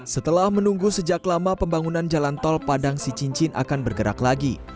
setelah menunggu sejak lama pembangunan jalan tol padang sicincin akan bergerak lagi